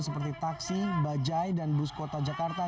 seperti taksi bajai dan bus kota jakarta